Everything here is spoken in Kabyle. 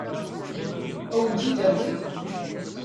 Ad wen-tt-id-tawi?